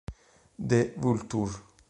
The Vulture